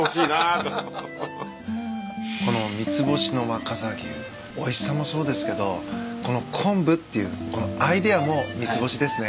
この三ツ星の若狭牛おいしさもそうですけどこのコンブっていうアイデアも三つ星ですね。